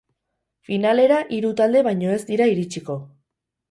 Finalera hiru talde baino ez dira iritsiko.